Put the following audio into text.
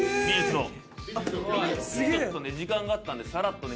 ちょっとね時間があったんでさらっとね。